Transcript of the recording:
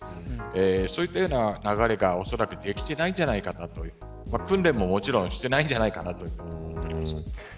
そういったような流れがおそらくできてないんじゃないかなと訓練も、もちろんしていないんじゃないかなと思います。